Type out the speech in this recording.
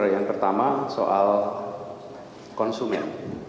yang pertama soal konsumen